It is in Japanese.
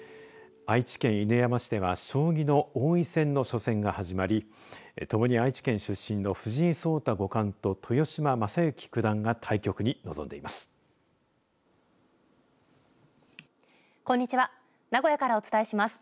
愛知県犬山市では将棋の王位戦の初戦が始まりともに愛知県出身の藤井聡太五冠と豊島将之九段が対局に臨んでいます。